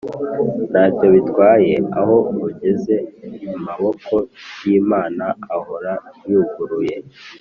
ntacyo bitwaye aho ugezeamaboko y'imana ahora yuguruye